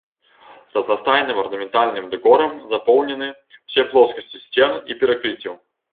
Разнастайным арнаментальным дэкорам запоўненыя ўсе плоскасці сцен і перакрыццяў.